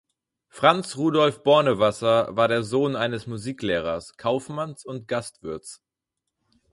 Franz Rudolf Bornewasser war der Sohn eines Musiklehrers, Kaufmanns und Gastwirts.